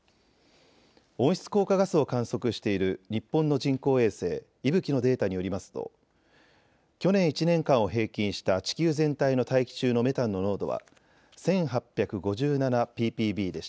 温室効果ガスを観測している日本の人工衛星、いぶきのデータによりますと去年１年間を平均した地球全体の大気中のメタンの濃度は１８５７ｐｐｂでした。